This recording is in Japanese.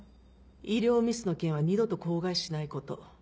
医療ミスの件は二度と口外しないこと。